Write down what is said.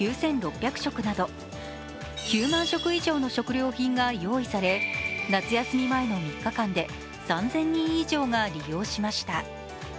食など９万食以上の食料品が用意され、夏休み前の３日間で３０００人以上が利用しました。